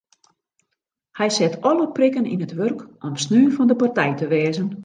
Hy set alle prikken yn it wurk om sneon fan de partij te wêze.